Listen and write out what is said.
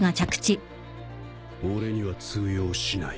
俺には通用しない。